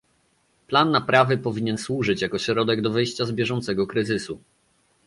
Plan naprawy powinien służyć jako środek do wyjścia z bieżącego kryzysu